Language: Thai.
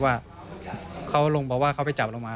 ว่าเขาลงบอกว่าเขาไปจับลงมา